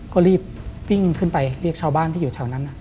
ก็รีบวิ่งขึ้นไปเรียกชาวบ้านที่อยู่แถวนั้น